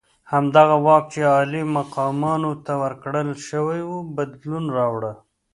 همدغه واک چې عالي مقامانو ته ورکړل شوی وو بدلون راوړ.